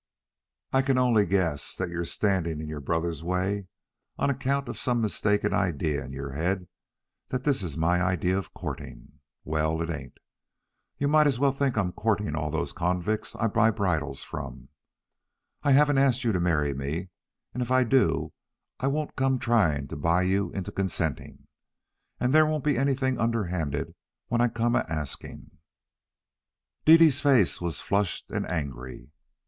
"I can only guess that you're standing in your brother's way on account of some mistaken idea in your head that this is my idea of courting. Well, it ain't. You might as well think I'm courting all those convicts I buy bridles from. I haven't asked you to marry me, and if I do I won't come trying to buy you into consenting. And there won't be anything underhand when I come a asking." Dede's face was flushed and angry.